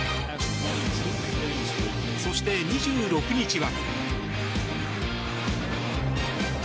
そして、２６日は。